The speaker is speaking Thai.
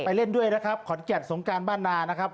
เล่นด้วยนะครับขอนแก่นสงการบ้านนานะครับ